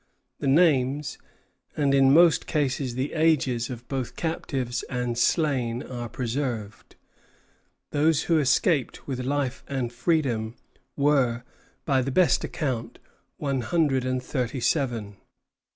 The names, and in most cases the ages, of both captives and slain are preserved. Those who escaped with life and freedom were, by the best account, one hundred and thirty seven.